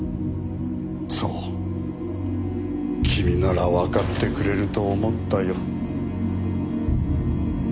そう君ならわかってくれると思ったよ。